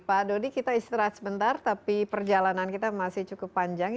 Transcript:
pak dodi kita istirahat sebentar tapi perjalanan kita masih cukup panjang